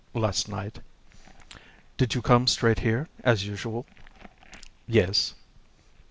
"Last night." "Did you come straight here, as usual?" "Yes."